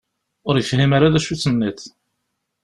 Ur yefhim ara d acu i d-tenniḍ.